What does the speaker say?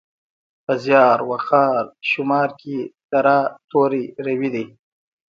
په زیار، وقار، شمار کې د راء توری روي دی.